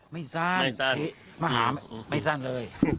ไม่สั้นไม่สั้นเลย